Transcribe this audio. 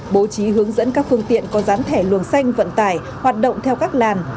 bố trí hướng dẫn các phương tiện có dán thẻ luồng xanh vận tải hoạt động theo các làn